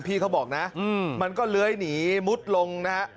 พี่เขาบอกนะมันก็เลื้อยหนีมุดลงนะฮะ